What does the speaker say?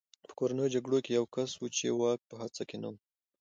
په کورنیو جګړو کې یو کس و چې واک په هڅه کې نه و